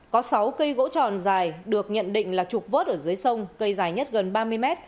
có sáu cây gỗ tròn dài được nhận định là trục vớt ở dưới sông cây dài nhất gần ba mươi mét